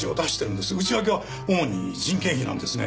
内訳は主に人件費なんですね。